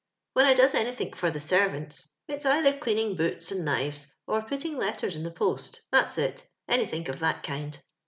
•* yrUen I does anythink for the servants, it's either cleaning boots and kntvea, or psttiBg letters in the post ^thai:^ it «Dytfiink of that kind.